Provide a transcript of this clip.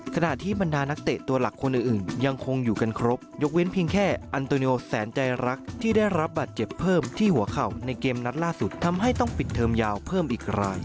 ขณะที่บรรดานักเตะตัวหลักคนอื่นยังคงอยู่กันครบยกเว้นเพียงแค่อันโตเนียลแสนใจรักที่ได้รับบาดเจ็บเพิ่มที่หัวเข่าในเกมนัดล่าสุดทำให้ต้องปิดเทอมยาวเพิ่มอีกราย